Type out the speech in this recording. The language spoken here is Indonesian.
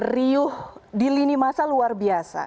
riuh di lini masa luar biasa